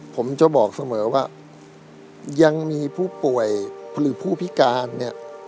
ผมจะบอกเสมอว่ายังมีผู้ป่วยหรือผู้พิการเนี่ย